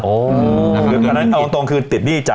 สวัสดีครับ